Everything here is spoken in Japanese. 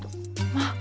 まあ。